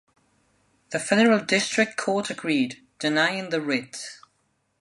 The federal district court agreed, denying the writ.